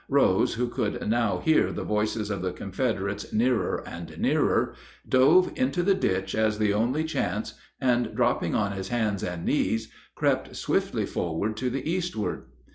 Rose, who could now hear the voices of the Confederates nearer and nearer, dove into the ditch as the only chance, and dropping on his hands and knees crept swiftly forward to the eastward.